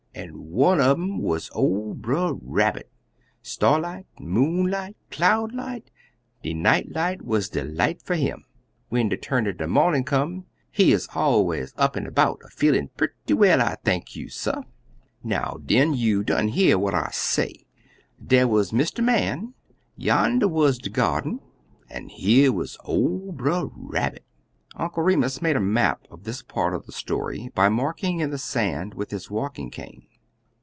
An' one un um wuz ol' Brer Rabbit; starlight, moonlight, cloudlight, de nightlight wuz de light fer him. When de turn er de mornin' come, he 'uz allers up an' about, an' a feelin' purty well I thank you, suh! "Now, den, you done hear what I say. Dar wuz Mr. Man, yander wuz de gyarden, an' here wuz ol' Brer Rabbit." Uncle Remus made a map of this part of the story by marking in the sand with his walking cane.